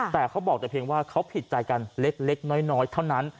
แต่เขาบอกแต่เพียงว่าเขาผิดใจกันเล็กน้อยเท่านั้น